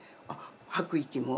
吐く息も。